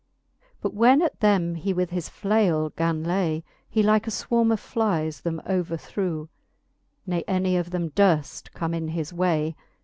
But when at them he with his flaile gan lay, He like a fvvarm of flies them overthrew j Ne any of them durft come in his way.